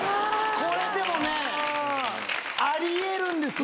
これでもねぇあり得るんですよ。